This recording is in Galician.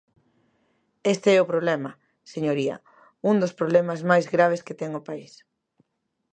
Este é o problema, señoría, un dos problemas máis graves que ten o país.